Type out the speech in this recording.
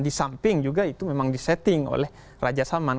di samping juga itu memang di setting oleh raja salman